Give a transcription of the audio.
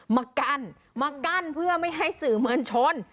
มากั้นมากั้นเพื่อไม่ให้สื่อมวลชน